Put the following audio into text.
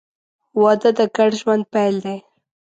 • واده د ګډ ژوند پیل دی.